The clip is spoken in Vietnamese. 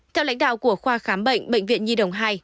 theo lãnh đạo của khoa khám bệnh bệnh viện nhi đồng hai